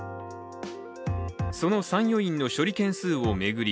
その参与員の処理件数を巡り